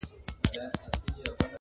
o جار دي له حیا سم چي حیا له تا حیا کوي,